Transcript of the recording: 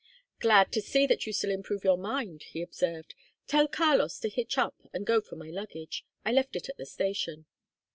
"Glad to see that you still improve your mind," he observed. "Tell Carlos to hitch up and go for my luggage: I left it at the station."